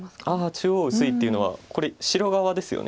中央薄いというのはこれ白側ですよね。